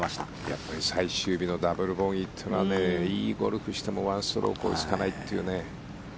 やっぱり最終日のダブルボギーというのはいいゴルフをしても１ストローク追いつかないというね。